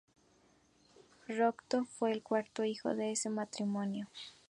Rothko fue el cuarto hijo de este matrimonio.